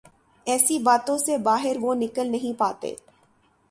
ایسی باتوں سے باہر وہ نکل نہیں پاتے۔